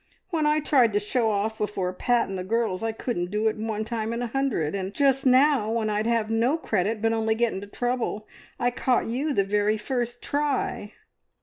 "When I tried to show off before Pat and the girls, I couldn't do it one time in a hundred, and just now, when I'd have no credit, but only get into trouble, I caught you the very first try!"